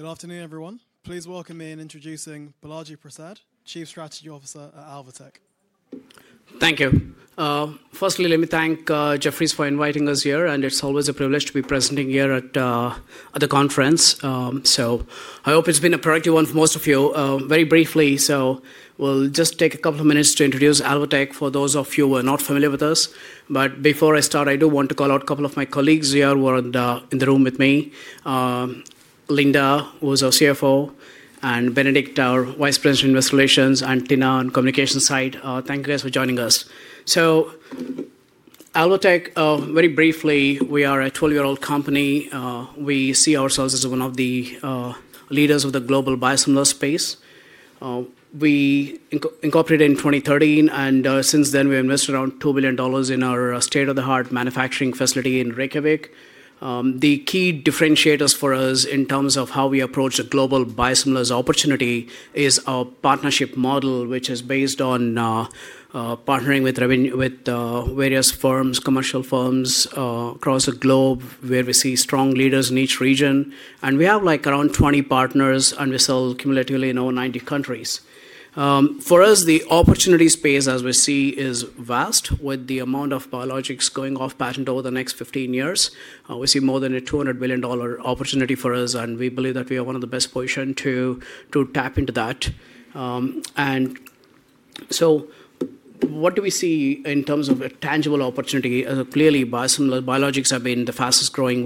Good afternoon, everyone. Please join me in introducing Balaji Prasad, Chief Strategy Officer at Alvotech. Thank you. Firstly, let me thank Jefferies for inviting us here, and it's always a privilege to be presenting here at the conference. I hope it's been a productive one for most of you. Very briefly, we'll just take a couple of minutes to introduce Alvotech for those of you who are not familiar with us. Before I start, I do want to call out a couple of my colleagues here who are in the room with me: Linda, who is our CFO, and Benedikt, our Vice President of Investigations, and Tina on the communications side. Thank you guys for joining us. Alvotech, very briefly, we are a 12-year-old company. We see ourselves as one of the leaders of the global biosimilar space. We incorporated in 2013, and since then, we invested around $2 billion in our state-of-the-art manufacturing facility in Reykjavík. The key differentiators for us in terms of how we approach the global biosimilars opportunity is our partnership model, which is based on partnering with various firms, commercial firms across the globe, where we see strong leaders in each region. We have around 20 partners, and we sell cumulatively in over 90 countries. For us, the opportunity space, as we see, is vast, with the amount of biologics going off patent over the next 15 years. We see more than a $200 billion opportunity for us, and we believe that we are one of the best positioned to tap into that. What do we see in terms of a tangible opportunity? Clearly, biosimilar biologics have been the fastest-growing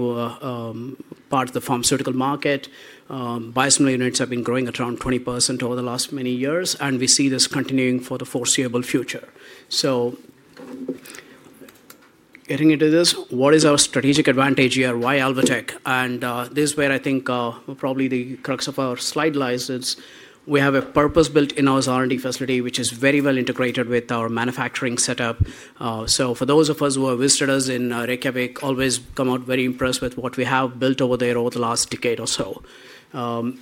part of the pharmaceutical market. Biosimilar units have been growing at around 20% over the last many years, and we see this continuing for the foreseeable future. Getting into this, what is our strategic advantage here? Why Alvotech? This is where I think probably the crux of our slide lies. We have a purpose-built in-house R&D facility, which is very well integrated with our manufacturing setup. For those of us who have visited us in Reykjavík, people always come out very impressed with what we have built over there over the last decade or so.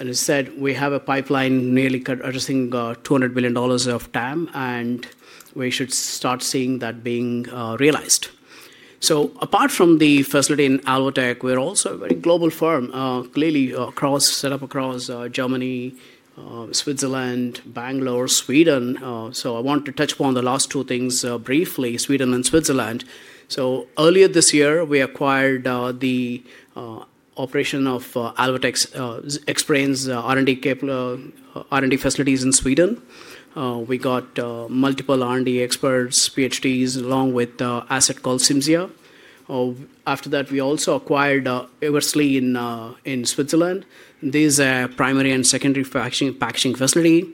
As I said, we have a pipeline nearly addressing $200 billion of TAM, and we should start seeing that being realized. Apart from the facility in Reykjavík, we are also a very global firm, clearly set up across Germany, Switzerland, Bangalore, Sweden. I want to touch upon the last two things briefly: Sweden and Switzerland. Earlier this year, we acquired the operation of Alvotech's experienced R&D facilities in Sweden. We got multiple R&D experts, PhDs, along with an asset called Cimzia. After that, we also acquired Eversley in Switzerland. These are a primary and secondary packaging facility.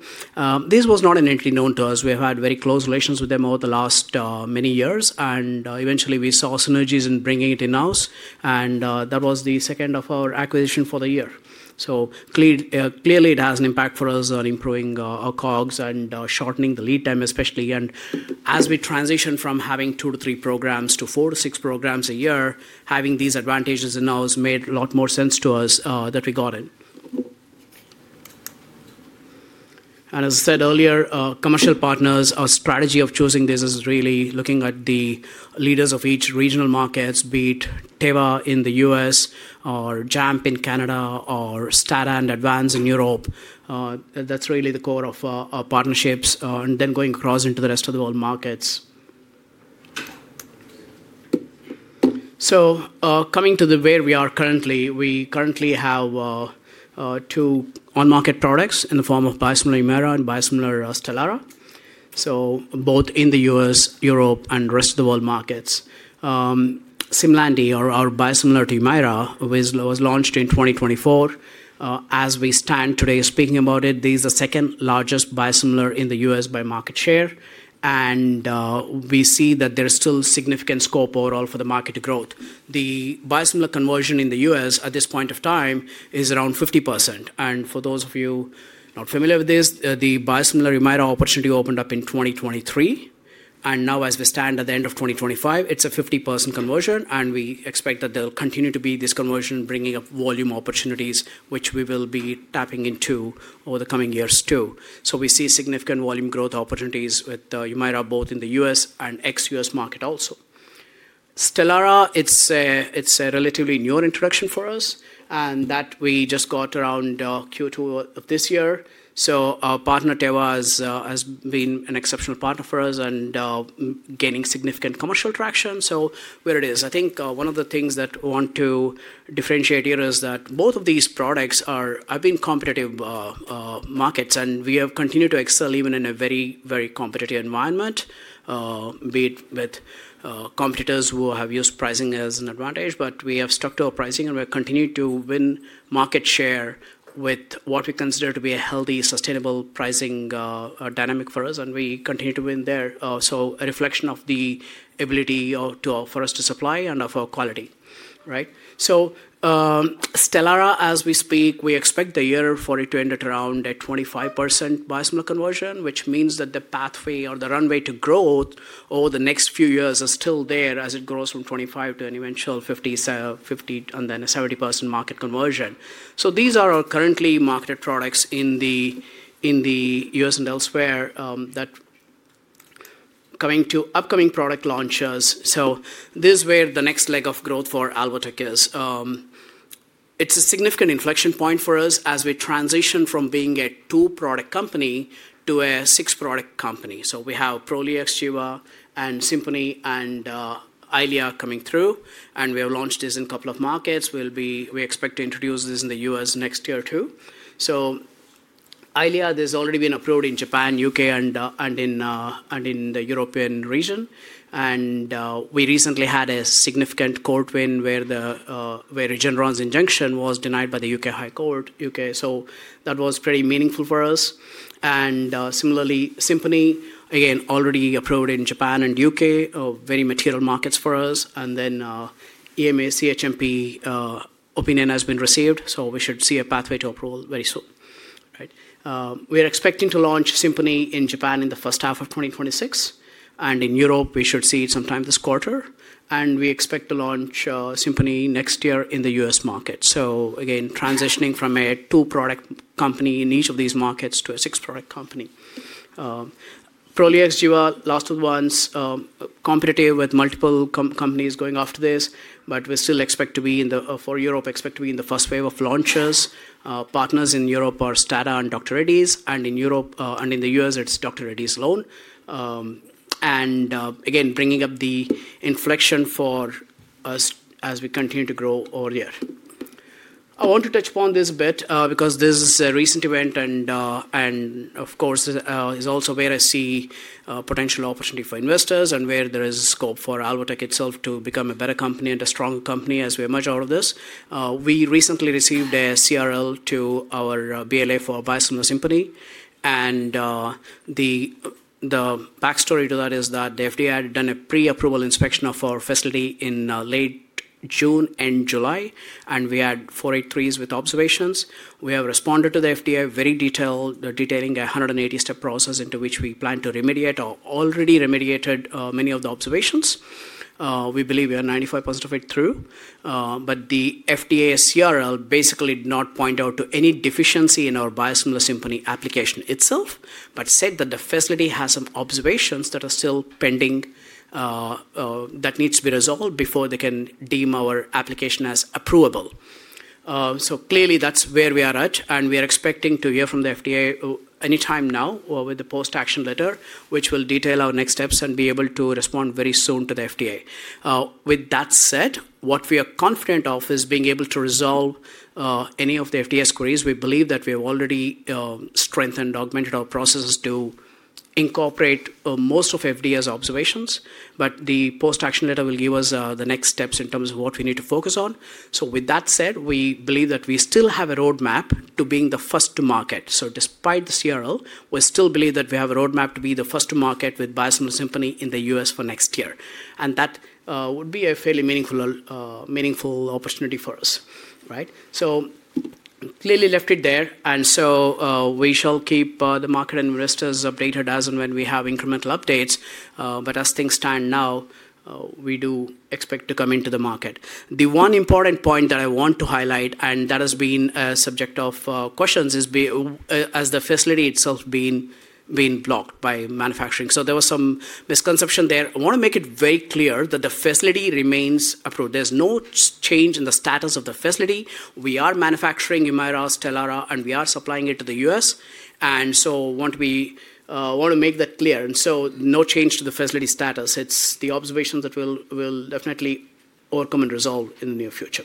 This was not initially known to us. We have had very close relations with them over the last many years, and eventually, we saw synergies in bringing it in-house. That was the second of our acquisitions for the year. Clearly, it has an impact for us on improving our COGS and shortening the lead time, especially. As we transition from having 2-3 programs to 4-6 programs a year, having these advantages in-house made a lot more sense to us that we got it. As I said earlier, commercial partners, our strategy of choosing this is really looking at the leaders of each regional market, be it Teva in the U.S., or JAMP in Canada, or STADA and Advanz in Europe. That's really the core of our partnerships, and then going across into the rest of the world markets. Coming to where we are currently, we currently have two on-market products in the form of biosimilar Humira and biosimilar Stelara, so both in the U.S., Europe, and the rest of the world markets. Simlandi, or our biosimilar to Humira, was launched in 2024. As we stand today speaking about it, this is the second largest biosimilar in the U.S. by market share, and we see that there is still significant scope overall for the market to grow. The biosimilar conversion in the U.S. at this point of time is around 50%. For those of you not familiar with this, the biosimilar Humira opportunity opened up in 2023, and now, as we stand at the end of 2025, it's a 50% conversion, and we expect that there will continue to be this conversion, bringing up volume opportunities, which we will be tapping into over the coming years too. We see significant volume growth opportunities with Humira, both in the U.S. and ex-U.S. market also. Stelara, it's a relatively new introduction for us, and that we just got around Q2 of this year. Our partner, Teva, has been an exceptional partner for us and gaining significant commercial traction. Where it is, I think one of the things that we want to differentiate here is that both of these products have been competitive markets, and we have continued to excel even in a very, very competitive environment, be it with competitors who have used pricing as an advantage. We have stuck to our pricing, and we have continued to win market share with what we consider to be a healthy, sustainable pricing dynamic for us, and we continue to win there. A reflection of the ability for us to supply and of our quality. Right? Stelara, as we speak, we expect the year for it to end at around a 25% biosimilar conversion, which means that the pathway or the runway to growth over the next few years is still there as it grows from 25% to an eventual 50% and then a 70% market conversion. These are our currently marketed products in the U.S. and elsewhere that are coming to upcoming product launches. This is where the next leg of growth for Alvotech is. It's a significant inflection point for us as we transition from being a two-product company to a six-product company. We have Prolex, Jiva, Symphony, and Eylea coming through, and we have launched this in a couple of markets. We expect to introduce this in the U.S. next year too. Eylea has already been approved in Japan, U.K., and in the European region. We recently had a significant court win where Regeneron's injunction was denied by the U.K. High Court. That was pretty meaningful for us. Similarly, Symphony, again, already approved in Japan and U.K., very material markets for us. EMA CHMP opinion has been received, so we should see a pathway to approval very soon. Right? We are expecting to launch Symphony in Japan in the first half of 2026, and in Europe, we should see it sometime this quarter. We expect to launch Symphony next year in the U.S. market. Again, transitioning from a two-product company in each of these markets to a six-product company. Prolex, Jiva, last two ones, competitive with multiple companies going after this, but we still expect to be in the, for Europe, expect to be in the first wave of launches. Partners in Europe are STADA and Dr. Reddy's, and in Europe and in the U.S., it's Dr. Reddy's alone. I want to touch upon this a bit because this is a recent event, and of course, is also where I see potential opportunity for investors and where there is scope for Alvotech itself to become a better company and a stronger company as we emerge out of this. We recently received a CRL to our BLA for biosimilar Symphony, and the backstory to that is that the FDA had done a pre-approval inspection of our facility in late June and July, and we had 483s with observations. We have responded to the FDA very detailed, detailing a 180-step process into which we plan to remediate or already remediated many of the observations. We believe we are 95% of it through. The FDA CRL basically did not point out any deficiency in our biosimilar Symphony application itself, but said that the facility has some observations that are still pending that need to be resolved before they can deem our application as approvable. Clearly, that's where we are at, and we are expecting to hear from the FDA anytime now with the post-action letter, which will detail our next steps and be able to respond very soon to the FDA. With that said, what we are confident of is being able to resolve any of the FDA queries. We believe that we have already strengthened, augmented our processes to incorporate most of FDA's observations, but the post-action letter will give us the next steps in terms of what we need to focus on. With that said, we believe that we still have a roadmap to being the first to market. Despite the CRL, we still believe that we have a roadmap to be the first to market with biosimilar Symphony in the U.S. for next year, and that would be a fairly meaningful opportunity for us. Right? Clearly left it there, and we shall keep the market and investors updated as and when we have incremental updates. As things stand now, we do expect to come into the market. The one important point that I want to highlight, and that has been a subject of questions, is the facility itself being blocked by manufacturing. There was some misconception there. I want to make it very clear that the facility remains approved. There is no change in the status of the facility. We are manufacturing Humira, Stelara, and we are supplying it to the U.S., and I want to make that clear. No change to the facility status. It is the observations that we will definitely overcome and resolve in the near future.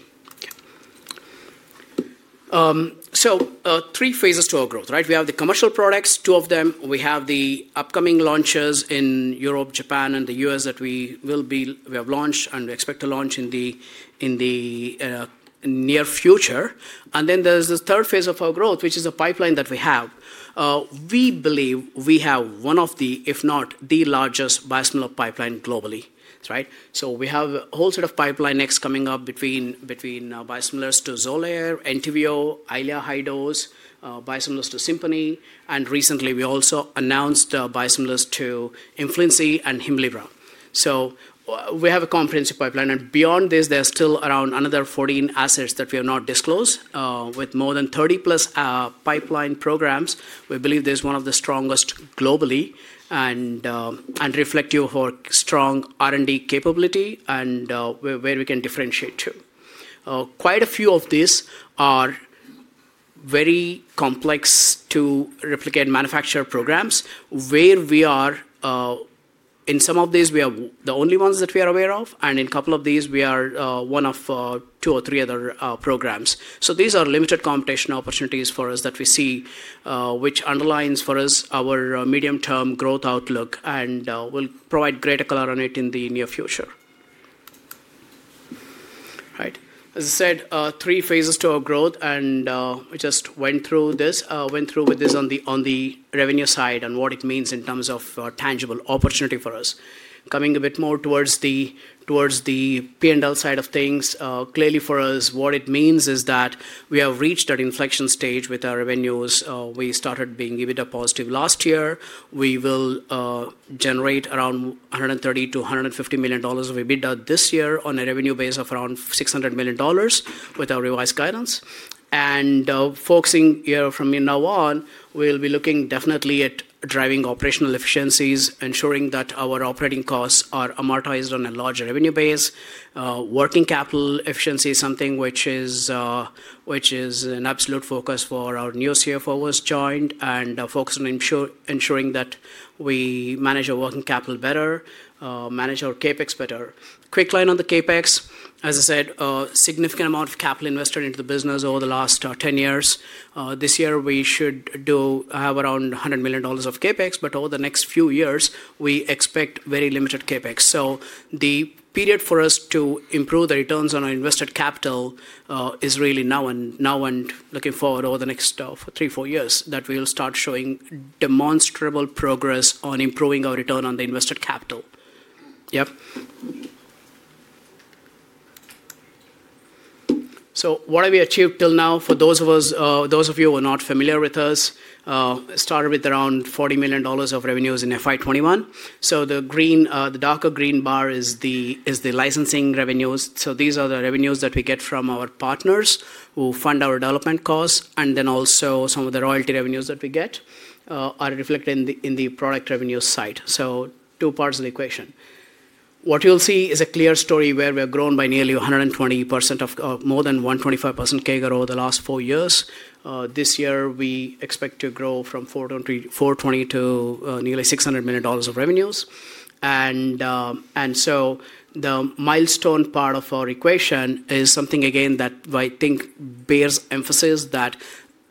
Three phases to our growth, right? We have the commercial products, two of them. We have the upcoming launches in Europe, Japan, and the U.S. that we have launched and we expect to launch in the near future. Then there is the third phase of our growth, which is a pipeline that we have. We believe we have one of the, if not the largest biosimilar pipeline globally. Right? We have a whole set of pipeline next coming up between biosimilars to Xolair, Entyvio, Eylea high-dose, biosimilars to Symphony, and recently, we also announced biosimilars to Influenza and Hemlibra. We have a comprehensive pipeline, and beyond this, there's still around another 14 assets that we have not disclosed with more than 30+ pipeline programs. We believe this is one of the strongest globally and reflective of our strong R&D capability and where we can differentiate too. Quite a few of these are very complex to replicate manufacturer programs where we are, in some of these, we are the only ones that we are aware of, and in a couple of these, we are one of two or three other programs. These are limited competition opportunities for us that we see, which underlines for us our medium-term growth outlook, and we'll provide greater color on it in the near future. Right? As I said, three phases to our growth, and we just went through this, went through with this on the revenue side and what it means in terms of tangible opportunity for us. Coming a bit more towards the P&L side of things, clearly for us, what it means is that we have reached an inflection stage with our revenues. We started being EBITDA positive last year. We will generate around $130 million-$150 million of EBITDA this year on a revenue base of around $600 million with our revised guidance. Focusing here from now on, we'll be looking definitely at driving operational efficiencies, ensuring that our operating costs are amortized on a large revenue base. Working capital efficiency is something which is an absolute focus for our new CFO who has joined, and focus on ensuring that we manage our working capital better, manage our CapEx better. Quick line on the CapEx, as I said, significant amount of capital invested into the business over the last 10 years. This year, we should have around $100 million of CapEx, but over the next few years, we expect very limited CapEx. The period for us to improve the returns on our invested capital is really now and looking forward over the next three, four years that we will start showing demonstrable progress on improving our return on the invested capital. Yep. What have we achieved till now? For those of you who are not familiar with us, it started with around $40 million of revenues in FY 2021. The green, the darker green bar is the licensing revenues. These are the revenues that we get from our partners who fund our development costs, and then also some of the royalty revenues that we get are reflected in the product revenue side. Two parts of the equation. What you'll see is a clear story where we have grown by nearly 120% or more than 125% CAGR over the last four years. This year, we expect to grow from $420 million to nearly $600 million of revenues. The milestone part of our equation is something, again, that I think bears emphasis that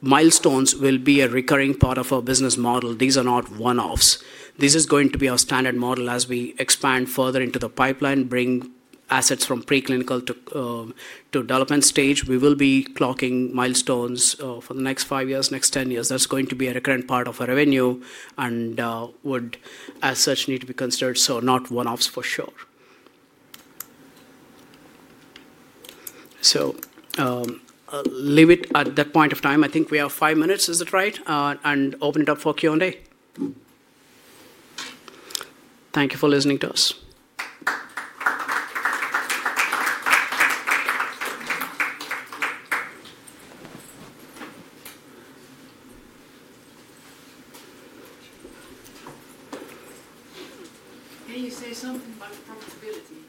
milestones will be a recurring part of our business model. These are not one-offs. This is going to be our standard model as we expand further into the pipeline, bring assets from preclinical to development stage. We will be clocking milestones for the next five years, next 10 years. That's going to be a recurrent part of our revenue and would, as such, need to be considered. Not one-offs for sure. Leave it at that point of time. I think we have five minutes, is that right? Open it up for Q&A. Thank you for listening to us. Can you say something about profitability?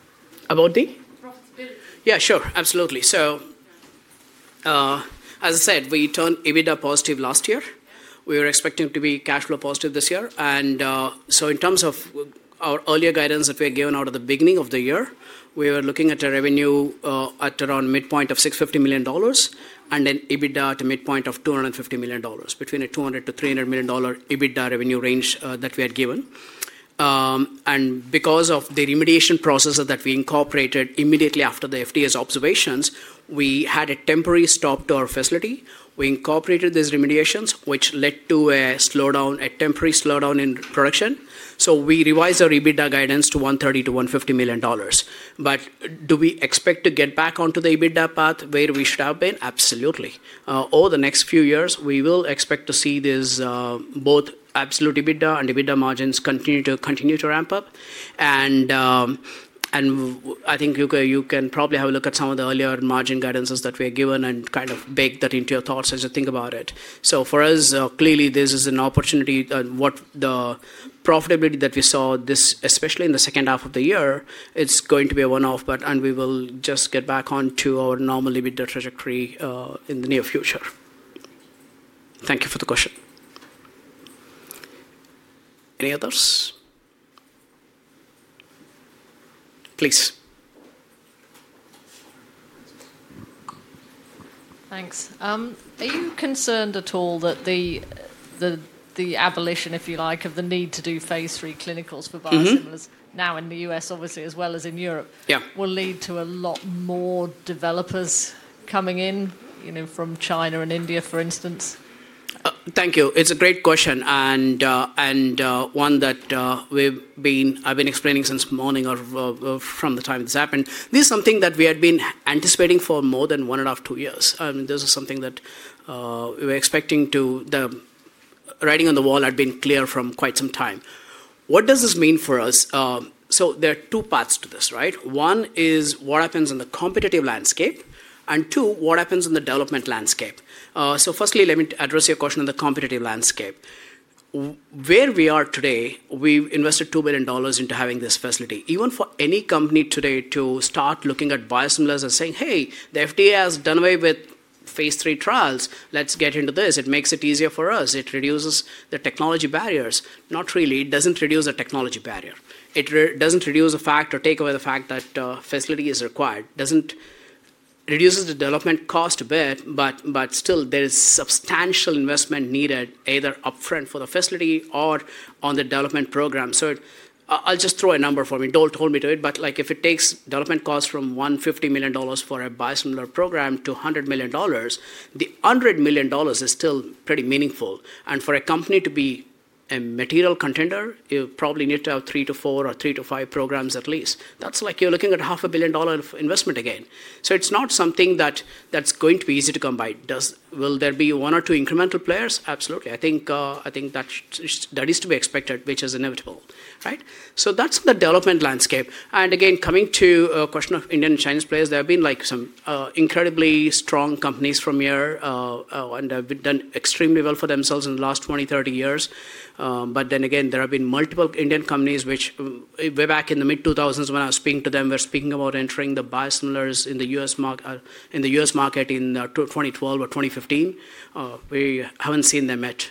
About the? Profitability. Yeah, sure. Absolutely. As I said, we turned EBITDA positive last year. We were expecting to be cash flow positive this year. In terms of our earlier guidance that we had given out at the beginning of the year, we were looking at a revenue at around midpoint of $650 million and an EBITDA to midpoint of $250 million, between a $200 million-$300 million EBITDA revenue range that we had given. Because of the remediation processes that we incorporated immediately after the FDA's observations, we had a temporary stop to our facility. We incorporated these remediations, which led to a slowdown, a temporary slowdown in production. We revised our EBITDA guidance to $130 million-$150 million. Do we expect to get back onto the EBITDA path where we should have been? Absolutely. Over the next few years, we will expect to see both absolute EBITDA and EBITDA margins continue to ramp up. I think you can probably have a look at some of the earlier margin guidances that we have given and kind of bake that into your thoughts as you think about it. For us, clearly, this is an opportunity. What the profitability that we saw, especially in the second half of the year, it's going to be a one-off, and we will just get back onto our normal EBITDA trajectory in the near future. Thank you for the question. Any others? Please. Thanks. Are you concerned at all that the abolition, if you like, of the need to do phase III clinicals for biosimilars now in the U.S., obviously, as well as in Europe, will lead to a lot more developers coming in from China and India, for instance? Thank you. It's a great question and one that I've been explaining since morning or from the time this happened. This is something that we had been anticipating for more than one and a half, two years. I mean, this is something that we were expecting to, the writing on the wall had been clear from quite some time. What does this mean for us? There are two paths to this, right? One is what happens in the competitive landscape and two, what happens in the development landscape. Firstly, let me address your question on the competitive landscape. Where we are today, we've invested $2 billion into having this facility. Even for any company today to start looking at biosimilars and saying, "Hey, the FDA has done away with phase III trials. Let's get into this. It makes it easier for us. It reduces the technology barriers." Not really. It does not reduce the technology barrier. It does not reduce the fact or take away the fact that facility is required. It reduces the development cost a bit, but still, there is substantial investment needed either upfront for the facility or on the development program. I'll just throw a number for me. Do not hold me to it, but if it takes development costs from $150 million for a biosimilar program to $100 million, the $100 million is still pretty meaningful. For a company to be a material contender, you probably need to have 3-4 or 3-5 programs at least. That is like you are looking at a $500 million investment again. It is not something that is going to be easy to come by. Will there be one or two incremental players? Absolutely. I think that is to be expected, which is inevitable, right? That is the development landscape. Again, coming to a question of Indian and Chinese players, there have been some incredibly strong companies from here and have done extremely well for themselves in the last 20, 30 years. Then again, there have been multiple Indian companies which way back in the mid-2000s when I was speaking to them, we were speaking about entering the biosimilars in the U.S. market in 2012 or 2015. We have not seen them yet.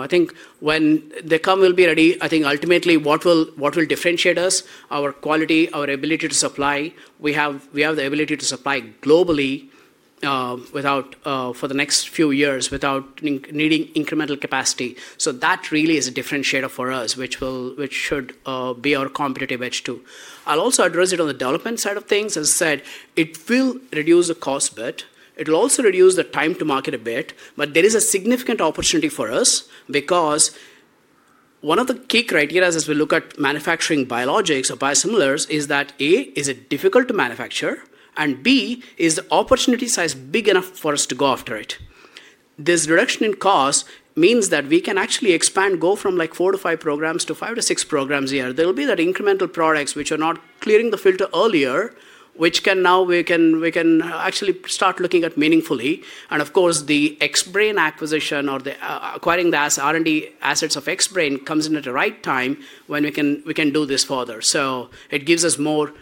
I think when they come we will be ready. I think ultimately what will differentiate us is our quality, our ability to supply. We have the ability to supply globally for the next few years without needing incremental capacity. That really is a differentiator for us, which should be our competitive edge too. I'll also address it on the development side of things. As I said, it will reduce the cost a bit. It will also reduce the time to market a bit, but there is a significant opportunity for us because one of the key criteria as we look at manufacturing biologics or biosimilars is that, A, is it difficult to manufacture, and B, is the opportunity size big enough for us to go after it? This reduction in cost means that we can actually expand, go from 4-5 programs to 5-6 programs a year. There will be that incremental products which are not clearing the filter earlier, which can now we can actually start looking at meaningfully. Of course, the Xbrane acquisition or acquiring the R&D assets of Xbrane comes in at the right time when we can do this further. It gives us more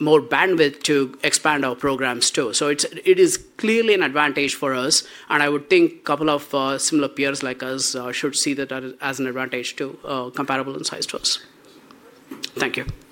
bandwidth to expand our programs too. It is clearly an advantage for us, and I would think a couple of similar peers like us should see that as an advantage too, comparable in size to us. Thank you.